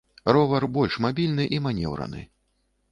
Ровар больш мабільны і манеўраны.